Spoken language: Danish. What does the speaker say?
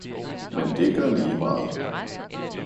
men det gør lige meget.